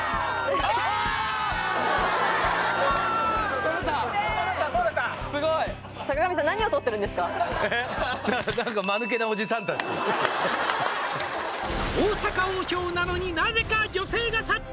撮れた坂上さん「大阪王将なのになぜか女性が殺到！」